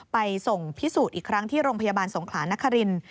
ไปส่งพิสูจน์อีกครั้งที่โรงพยาบาลสงขลานคริน